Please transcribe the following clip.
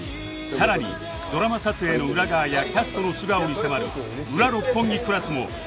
さらにドラマ撮影の裏側やキャストの素顔に迫る『ウラ六本木クラス』も独占配信中